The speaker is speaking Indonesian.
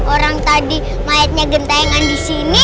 orang tadi mayatnya gentengan di sini